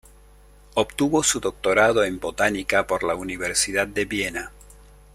Obtuvo su doctorado en botánica por la Universidad de Viena.